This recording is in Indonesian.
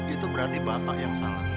itu berarti bapak yang salah